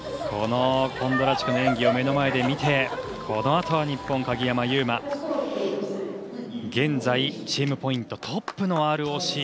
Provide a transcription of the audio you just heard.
このコンドラチュクの演技を目の前で見てこのあとは日本、鍵山優真。現在、チームポイントトップのＲＯＣ。